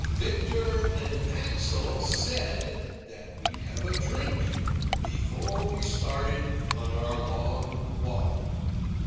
Victor and Axel said that we'd have a drink before we started on our long walk.